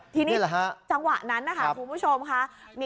ทีนี้จังหวะนั้นค่ะคุณผู้ชม